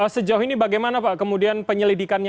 sejauh ini bagaimana pak kemudian penyelidikannya